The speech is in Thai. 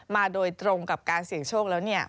มาโดยตรงกับการเสี่ยงโชคแล้วเนี่ย